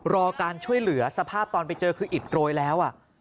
รอการช่วยเหลือสภาพตอนไปเจอคืออิดโรยแล้ว